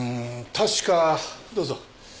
確かどうぞ。